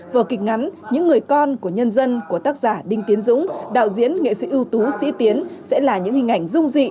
vở kịch ngắn những người con của nhân dân của tác giả đinh tiến dũng đạo diễn nghệ sĩ ưu tú sĩ tiến sẽ là những hình ảnh rung dị